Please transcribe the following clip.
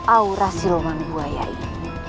aura siluman buaya ini